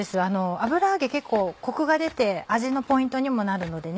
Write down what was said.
油揚げ結構コクが出て味のポイントにもなるのでね。